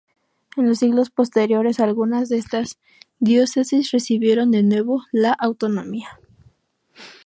En los siglos posteriores, algunas de esas diócesis recibieron de nuevo la autonomía.